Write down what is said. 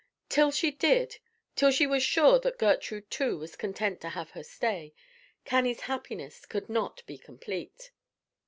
Till she did, till she was sure that Gertrude too was content to have her stay, Cannie's happiness could not be complete.